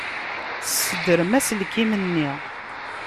Ssedrem aselkim-nni.